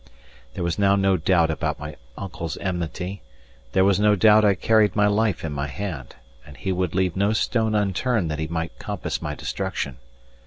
There was now no doubt about my uncle's enmity; there was no doubt I carried my life in my hand, and he would leave no stone unturned that he might compass my destruction.